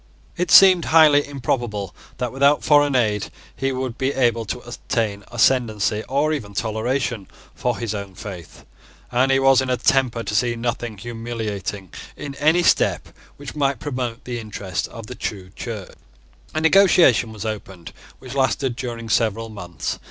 It seemed highly improbable that, without foreign aid, he would be able to obtain ascendency, or even toleration, for his own faith: and he was in a temper to see nothing humiliating in any step which might promote the interests of the true Church. A negotiation was opened which lasted during several months.